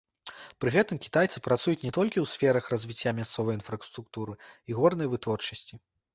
Пры гэтым кітайцы працуюць не толькі ў сферах развіцця мясцовай інфраструктуры і горнай вытворчасці.